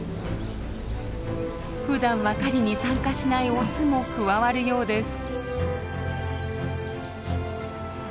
ふだんは狩りに参加しないオスも加わるようです。